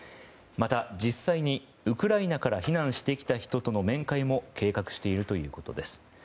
また、実際にウクライナから避難してきた人との面会も計画しているということです。